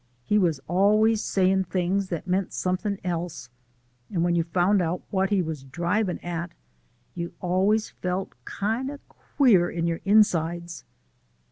He was always sayin' things that meant something else and when you found out what he was drivin' at you always felt kind of queer in your insides."